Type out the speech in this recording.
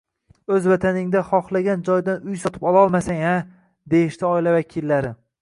«O‘z Vataningda xohlagan joydan uy sotib ololmasang-a!» – deyishdi oila vakillari